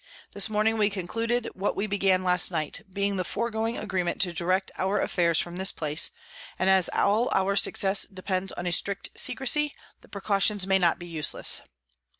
This Morning we concluded what we began last night, being the foregoing Agreement to direct our Affairs from this place; and as all our Success depends on a strict Secrecy, the Precautions may not be useless.